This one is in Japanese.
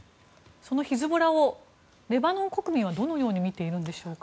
そのヒズボラをレバノン国民はどのようにみているんでしょうか。